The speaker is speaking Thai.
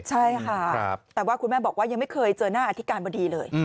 ใช่ค่ะแต่ว่าคุณแม่บอกว่ายังไม่เคยเจอหน้าอธิการบดีเลย